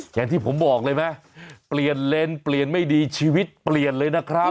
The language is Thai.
อย่างที่ผมบอกเลยไหมเปลี่ยนเลนส์เปลี่ยนไม่ดีชีวิตเปลี่ยนเลยนะครับ